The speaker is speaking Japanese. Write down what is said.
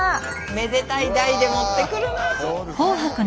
めでたい台で持ってくるな。